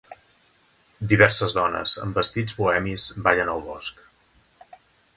Diverses dones amb vestits bohemis ballen al bosc.